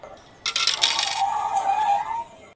تر بچیو گوله نه سي رسولای.